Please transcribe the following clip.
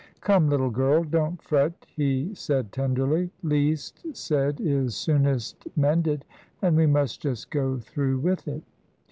"Come, little girl, don't fret," he said, tenderly. "Least said is soonest mended, and we must just go through with it."